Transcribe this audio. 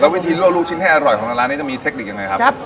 วิธีลวกลูกชิ้นให้อร่อยของร้านนี้จะมีเทคนิคยังไงครับ